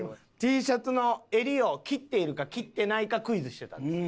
Ｔシャツの襟を切っているか切ってないかクイズしてたんです。